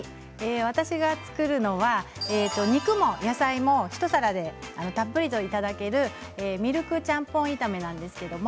私が作るのは肉も野菜も一皿でたっぷりといただけるミルクちゃんぽん炒めです。